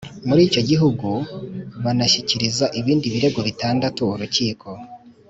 muri icyo gihugu banashyikiriza ibindi birego bitandatu Urukiko